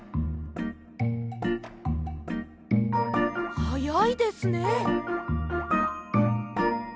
はやいですね。